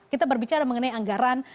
kita berbicara mengenai anggaran